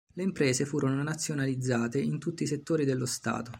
Le imprese furono nazionalizzate in tutti i settori dello Stato.